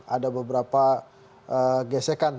ada beberapa gesekan